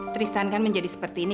tristan kan menjadi seperti ini